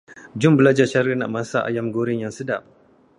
Jom berlajar cara nak masak ayam goreng yang sedap.